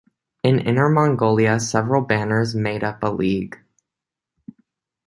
In Inner Mongolia, several banners made up a league.